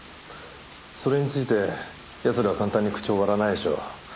それについて奴らは簡単に口を割らないでしょう。